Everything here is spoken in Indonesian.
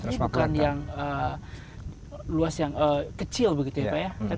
ini bukan yang luas yang kecil begitu ya pak ya